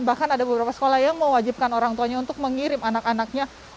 bahkan ada beberapa sekolah yang mengatakan